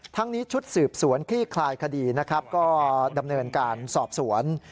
ทั้งนี้ชุดสืบสวนขี้คลายคดีก็ดำเนินการสอบสวน